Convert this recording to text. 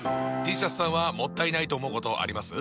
Ｔシャツさんはもったいないと思うことあります？